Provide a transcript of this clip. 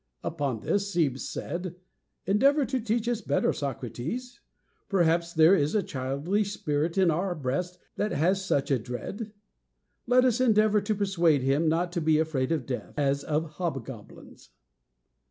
"Upon this Cebes said, 'Endeavor to teach us better, Socrates. Perhaps there is a childish spirit in our breast that has such a dread. Let us endeavor to persuade him not to be afraid of death, as of hobgoblins.'